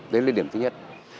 đấy là điểm thứ nhất